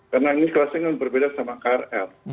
karena ini klasenya berbeda sama krl